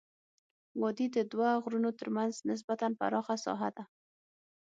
وادي د دوه غرونو ترمنځ نسبا پراخه ساحه ده.